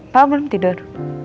pak belum tidur